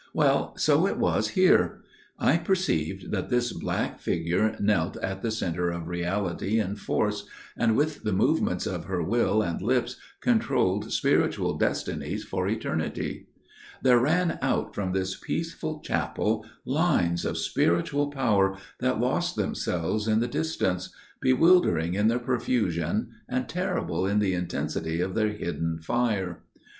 Well, so it was here. I perceived that this black figure knelt at the centre of reality and force, and with the movements of her will and lips controlled spiritual destinies for eternity. There ran out from this peaceful chapel lines of spiritual power that lost themselves in the distance, bewildering in their profusion and terrible in the intensity of their hidden fire.